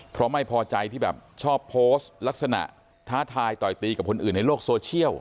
เพราะไม่พอใจที่แบบชอบโพสต์ลักษณะท้าทายต่อยตีกับคนอื่นในโลกโซเชียล